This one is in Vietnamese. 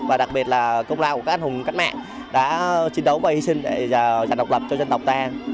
và đặc biệt là công lao của các anh hùng cách mạng đã chiến đấu và hy sinh để giành độc lập cho dân tộc ta